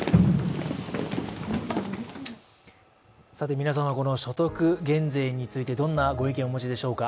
皆様、所得減税についてどんなご意見をお持ちでしょうか。